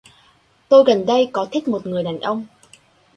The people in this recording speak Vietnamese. Tôi gần đây có thích một người đàn ông